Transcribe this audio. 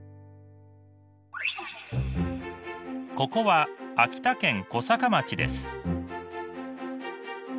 ここは秋田県小坂町です。